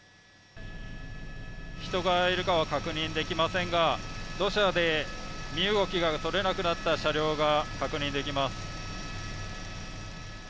人がいるかは確認できませんが土砂で身動きが取れなくなった車両が確認できます。